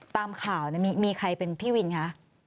ตามข่าวมีใครเป็นพี่วินคะ